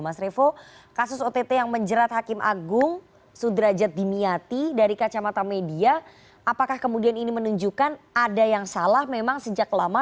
mas revo kasus ott yang menjerat hakim agung sudrajat dimiati dari kacamata media apakah kemudian ini menunjukkan ada yang salah memang sejak lama